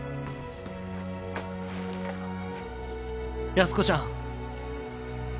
安子ちゃん。